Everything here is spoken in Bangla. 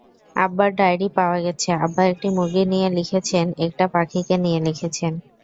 আব্বার ডায়েরি পাওয়া গেছে, আব্বা একটা মুরগি নিয়ে লিখেছেন, একটা পাখিকে নিয়ে লিখেছেন।